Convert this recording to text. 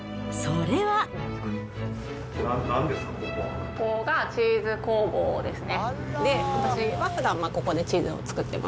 ここがチーズ工房ですね。